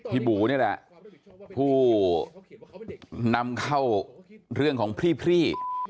บูนี่แหละผู้นำเข้าเรื่องของพรี่